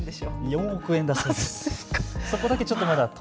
４億円だそうです。